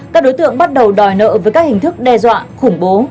các đối tượng bắt đầu đòi nợ với các hình thức đe dọa khủng bố